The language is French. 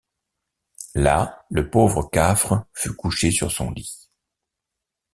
Là, le pauvre Cafre fut couché sur son lit.